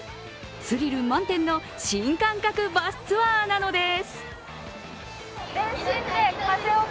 スリル満点の新感覚バスツアーなのです。